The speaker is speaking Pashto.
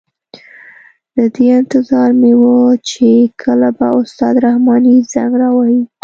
د دې انتظار مې وه چې کله به استاد رحماني زنګ را وهي.